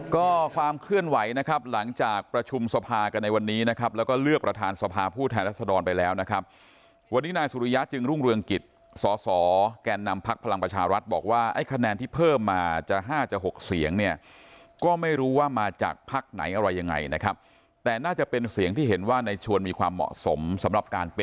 ก็ความเคลื่อนไหวนะครับหลังจากประชุมสภากันในวันนี้นะครับแล้วก็เลือกประธานสภาผู้แทนรัศดรไปแล้วนะครับวันนี้นายสุริยะจึงรุ่งเรืองกิจสอสอแกนนำพักพลังประชารัฐบอกว่าไอ้คะแนนที่เพิ่มมาจะ๕จะ๖เสียงเนี่ยก็ไม่รู้ว่ามาจากภักดิ์ไหนอะไรยังไงนะครับแต่น่าจะเป็นเสียงที่เห็นว่าในชวนมีความเหมาะสมสำหรับการป